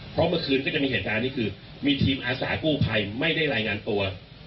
เพราะเมื่อคืนก็จะมีเหตุการณ์นี้คือมีทีมอาสากู้ภัยไม่ได้รายงานตัว